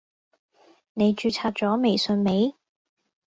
你註冊咗微信未？